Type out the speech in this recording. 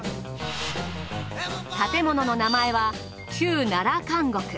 建物の名前は旧奈良監獄。